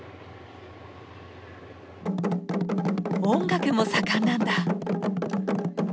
音楽も盛んなんだ。